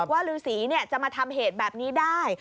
ฤษีจะมาทำเหตุแบบนี้ได้